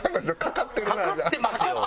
かかってますよ。